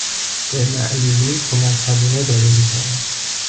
به معلولین کمک هزینه داده میشود.